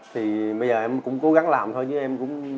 thì bây giờ em cũng cố gắng làm thôi chứ em cũng